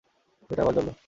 যেটা আমার জন্য।